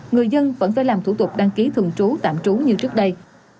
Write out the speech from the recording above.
người dân vẫn phải làm thủ tục đăng ký thường trú tạm trú như trước đây